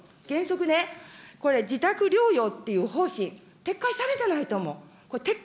原則ね、これ、自宅療養っていう方針、撤回されたらいいと思う。